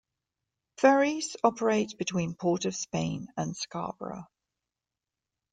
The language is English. Ferries operate between Port of Spain and Scarborough.